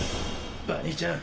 バニーちゃん！